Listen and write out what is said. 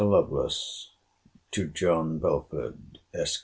LOVELACE, TO JOHN BELFORD, ESQ.